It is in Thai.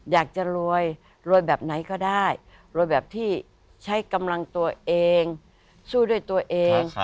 อยากจะรวยรวยแบบไหนก็ได้รวยแบบที่ใช้กำลังตัวเองสู้ด้วยตัวเอง